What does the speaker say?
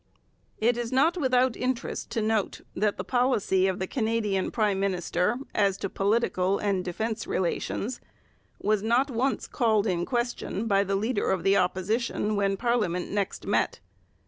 It is not without interest to note that the policy of the Canadian prime minister as to political and defence relations was not once called in question by the leader of the Opposition when parliament next met.